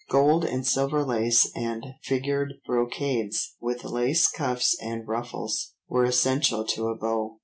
Gold and silver lace and figured brocades, with lace cuffs and ruffles, were essential to a beau.